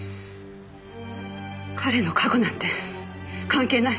彼の過去なんて関係ない。